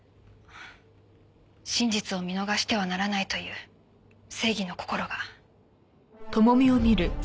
真実を見逃してはならないという正義の心が。